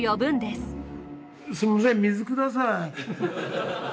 すみません水ください。